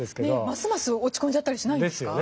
ますます落ち込んだりしないんですか？